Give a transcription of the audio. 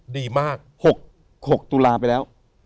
ดีมาก๖ตุลาไปแล้ว